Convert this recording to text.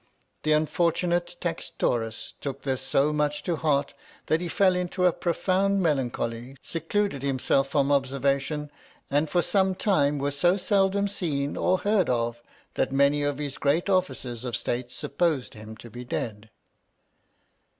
The unfortunate Taxedtaurus took this so much to heart that he fell into a pro found melancholy, secluded himself from ob servation, and for some time was so seldom seen or heard of that many of his great officers of state supposed him to be dead.